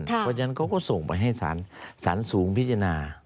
เพราะฉะนั้นเขาก็ส่งไปให้สารสูงพิจารณา